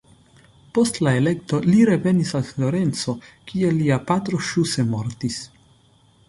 Post la elekto li revenis al Florenco, kie lia patro ĵuse mortis.